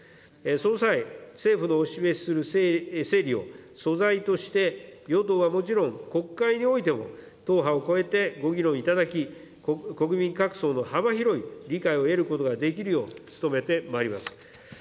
その際、政府のお示しする整理を、素材として与党はもちろん、国会においても、党派を超えてご議論いただき、国民各層の幅広い理解を得ることができるよう、努めてまいります。